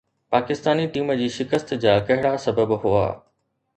Pakistani team جي شڪست جا ڪهڙا سبب هئا؟